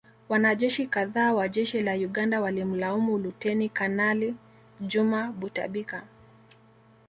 Wanajeshi kadhaa wa Jeshi la Uganda walimlaumu Luteni Kanali Juma Butabika